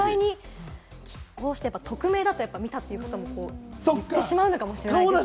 意外に拮抗して匿名だと見たという方も言ってしまうのかもしれないですね。